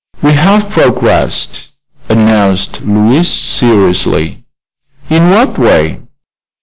"We have progressed," announced Louise, seriously. "In what way?"